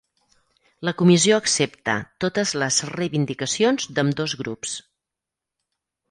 La Comissió accepta totes les reivindicacions d'ambdós grups.